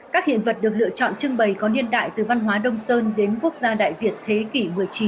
các hiện vật được lựa chọn trưng bày có niên đại từ văn hóa đông sơn đến quốc gia đại việt thế kỷ một mươi chín